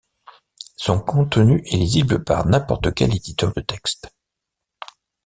Son contenu est lisible par n'importe quel éditeur de texte.